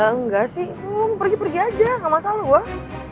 engga sih pergi pergi aja ga masalah